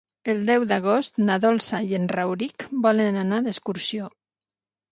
El deu d'agost na Dolça i en Rauric volen anar d'excursió.